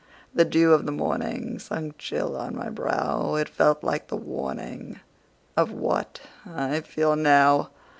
The dew of the morningSunk chill on my brow; It felt like the warningOf what I feel now.